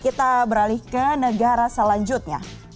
kita beralih ke negara selanjutnya